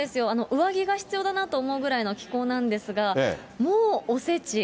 上着が必要だなと思うくらいの気候なんですが、もうおせち。